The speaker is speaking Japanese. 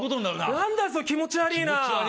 何だよそれ、気持ち悪いな。